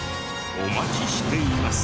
お待ちしています。